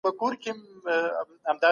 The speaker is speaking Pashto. تاسو د دې متن په اړه فکر کوئ.